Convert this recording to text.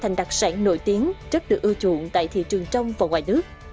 thành đặc sản nổi tiếng rất được ưa chuộng tại thị trường trong và ngoài nước